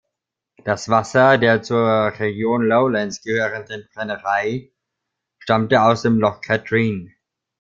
Das Wasser der zur Region Lowlands gehörenden Brennerei stammte aus dem Loch Katrine.